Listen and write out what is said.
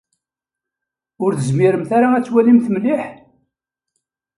Ur tezmiremt ara ad twalimt mliḥ?